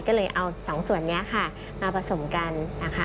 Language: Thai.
ก็เลยเอาสองส่วนนี้ค่ะมาผสมกันนะคะ